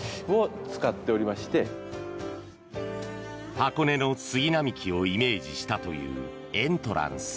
箱根の杉並木をイメージしたというエントランス。